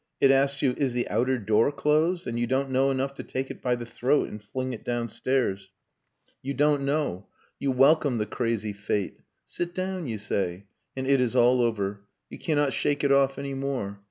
It asks you, "Is the outer door closed?" and you don't know enough to take it by the throat and fling it downstairs. You don't know. You welcome the crazy fate. "Sit down," you say. And it is all over. You cannot shake it off any more.